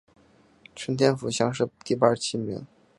顺天府乡试第八十七名。